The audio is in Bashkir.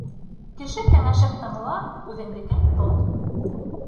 Кеше кәңәшен тыңла, үҙеңдекен тот.